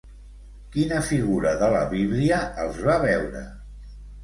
Quina figura de la Bíblia els va veure?